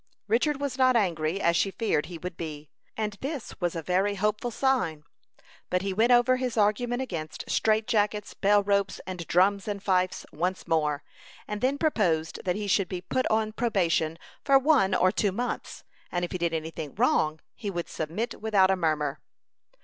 Richard was not angry, as she feared he would be, and this was a very hopeful sign. But he went over his argument against strait jackets, bell ropes, and drums and fifes, once more, and then proposed that he should be put on probation for one or two months; and if he did any thing wrong, he would submit without a murmur.